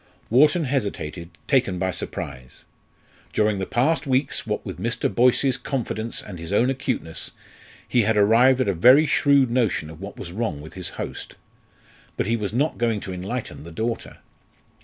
Wharton hesitated, taken by surprise. During the past weeks, what with Mr. Boyce's confidence and his own acuteness, he had arrived at a very shrewd notion of what was wrong with his host. But he was not going to enlighten the daughter.